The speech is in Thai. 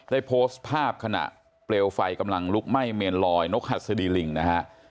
ได้โพสต์ภาพขณะเปลวไฟกำลังลุกไหม้เมนลอยนกหัสดีลิงนะฮะ